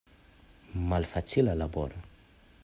Malfacila laboro!